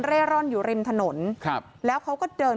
เร่ร่อนอยู่ริมถนนครับแล้วเขาก็เดิน